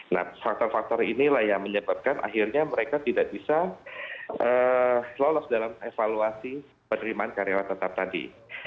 nah faktor faktor inilah yang menyebabkan akhirnya mereka tidak bisa lolos dalam evaluasi penerimaan karyawan tetap tadi